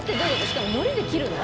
しかも海苔で切るの？